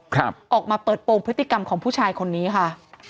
ครับออกมาเปิดโปรงพฤติกรรมของผู้ชายคนนี้ค่ะ